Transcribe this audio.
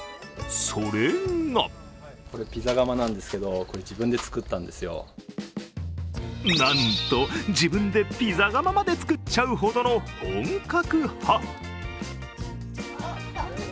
それがなんと、自分でピザ窯まで作っちゃうほどの本格派。